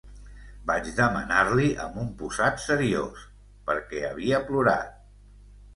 Vaig demanar-li, amb un posat seriós, per què havia plorat.